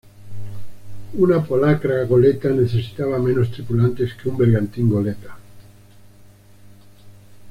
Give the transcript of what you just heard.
Una polacra-goleta necesitaba menos tripulantes que un bergantín-goleta.